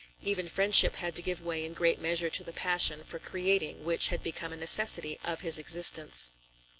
Even friendship had to give way in great measure to the passion for creating which had become a necessity of his existence.